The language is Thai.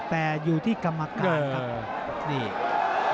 แต่อยู่ที่กรรมการครับนี่